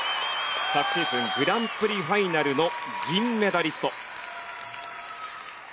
昨シーズングランプリファイナルの銀メダリスト。